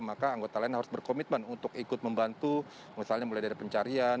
maka anggota lain harus berkomitmen untuk ikut membantu misalnya mulai dari pencarian